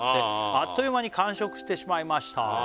「あっという間に完食してしまいました」